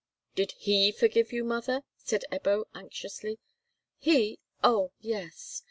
"Did he forgive you, mother?" said Ebbo, anxiously. "He—oh yes.